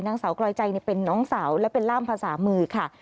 นางสาวกรอยใจเป็นน้องสาวและเป็นร่ามภาษามือค่ะ